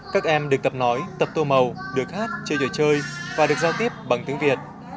các em được tập nói tập tô màu được hát chơi giờ chơi và được giao tiếp bằng tiếng việt